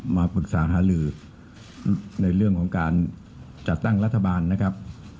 มาปรึกษาหาลือในเรื่องของการจัดตั้งรัฐบาลนะครับ